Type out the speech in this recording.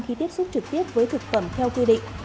khi tiếp xúc trực tiếp với thực phẩm theo quy định